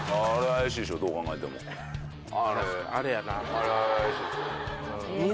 あれやな。